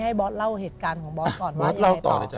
ให้บอสเล่าเหตุการณ์ของบอสก่อนว่าจะยังไงต่อ